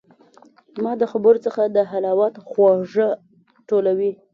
زما د خبرو څخه د حلاوت خواږه ټولوي